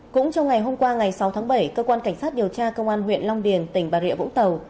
cũng trong ngày hôm qua ngày sáu tháng bảy cơ quan cảnh sát điều tra công an huyện long điền tỉnh bà rịa vũng tàu